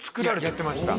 やってました